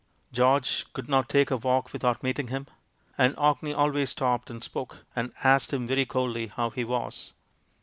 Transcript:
George could not take a walk without meeting him ; and Orkney always stopped and spoke, and asked him very coldly how he was.